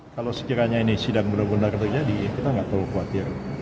kalau sekiranya ini sidang benar benar terjadi kita nggak terlalu khawatir